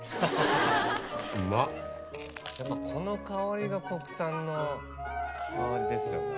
やっぱこの香りが国産の香りですよね。